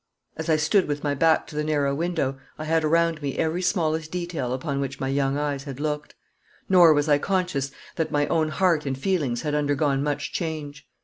As I stood with my back to the narrow window, I had around me every smallest detail upon which my young eyes had looked; nor was I conscious that my own heart and feelings had undergone much change.